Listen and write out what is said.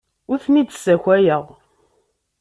Ur ten-id-ssakayeɣ.